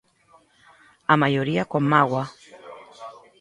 A maioría con mágoa.